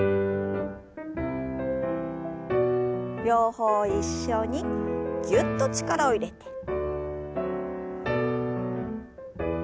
両方一緒にぎゅっと力を入れて。